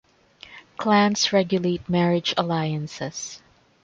Clans regulate marriage alliances.